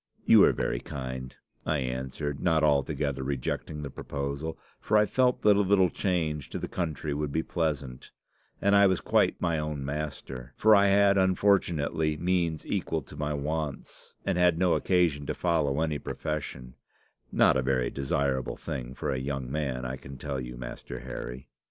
"'You are very kind,' I answered, not altogether rejecting the proposal, for I felt that a little change to the country would be pleasant, and I was quite my own master. For I had unfortunately means equal to my wants, and had no occasion to follow any profession not a very desirable thing for a young man, I can tell you, Master Harry.